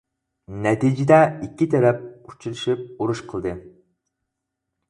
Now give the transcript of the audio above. نەتىجىدە ئىككى تەرەپ ئۇچرىشىپ ئۇرۇش قىلدى.